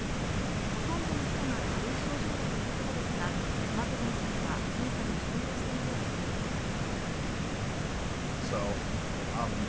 ほとんどの人が軽い症状だということですが、マクギンさんは検査の重要性を訴えています。